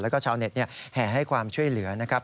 แล้วก็ชาวเน็ตแห่ให้ความช่วยเหลือนะครับ